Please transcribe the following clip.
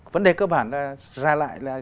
vấn đề cơ bản ra lại là